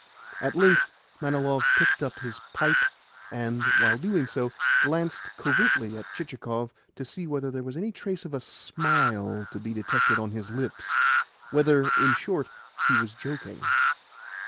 At length Manilov picked up his pipe, and, while doing so, glanced covertly at Chichikov to see whether there was any trace of a smile to be detected on his lips whether, in short, he was joking.